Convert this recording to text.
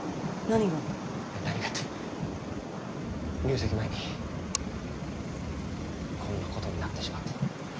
何がって入籍前にこんなことになってしまって。